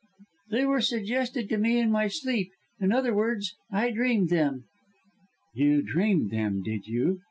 "They were suggested to me in my sleep in other words, I dreamed them." "You dreamed them, did you!"